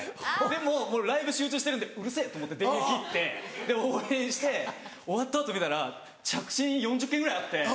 でももうライブ集中してるんでうるせぇと思って電源切って応援して終わった後見たら着信４０件ぐらいあって。